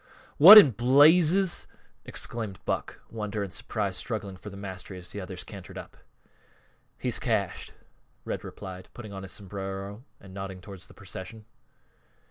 "What in blazes!" exclaimed Buck, wonder and surprise struggling for the mastery as the others cantered up. "He's cashed," Red replied, putting on his sombrero and nodding toward the procession.